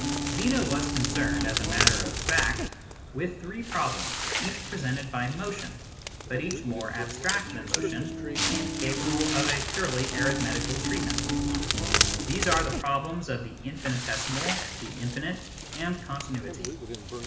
Zeno was concerned, as a matter of fact, with three problems, each presented by motion, but each more abstract than motion, and capable of a purely arith metical treatment. These are the problems of the infinitesimal, the infinite, and continuity.